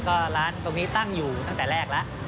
ก็ร้านตรงนี้ตั้งอยู่ตั้งแต่แรกแล้ว